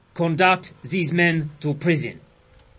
Conduct These men to prison.